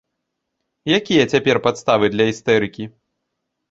Якія цяпер падставы для істэрыкі?